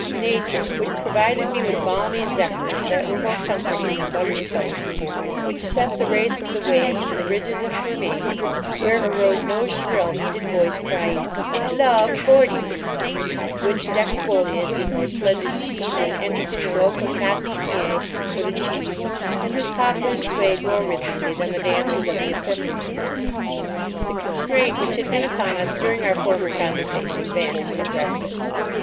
Nature, which provided me with balmy zephyrs that were more comforting than buttered toast; which set the race of the waves to the ridges of Fermain, where arose no shrill, heated voice crying, "Love—forty"; which decked foliage in more splendid sheen than anything the local costumier could achieve, and whose poplars swayed more rhythmically than the dancers of the Assembly Rooms. The constraint which had been upon us during our former conversation vanished at breakfast.